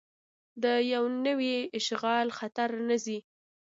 د یو نوي اشغال خطر نه ځي.